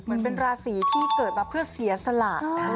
เหมือนเป็นราศีที่เกิดมาเพื่อเสียสละนะ